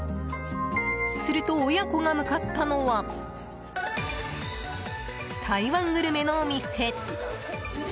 すると親子が向かったのは台湾グルメのお店。